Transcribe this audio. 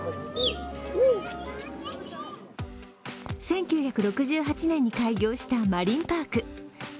１９６８年に開業したマリンパーク。